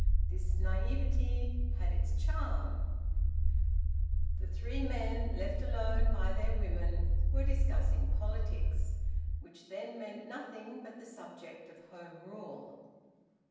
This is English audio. This naivete had its charm. The three men, left alone by their women, were discussing politics, which then meant nothing but the subject of Home Rule.